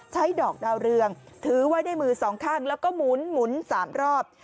ดอกดาวเรืองถือไว้ในมือสองข้างแล้วก็หมุน๓รอบ